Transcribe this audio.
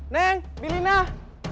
neng beli nih